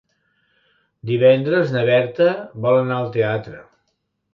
Divendres na Berta vol anar al teatre.